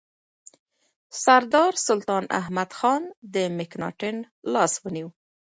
سردار سلطان احمدخان د مکناتن لاس ونیو.